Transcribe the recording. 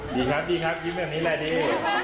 ดีครับดีครับยิ้มแบบนี้แหละดี